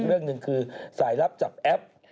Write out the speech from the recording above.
เรื่องหนึ่งคือสายลับจับแอป